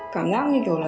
cảm giác như kiểu là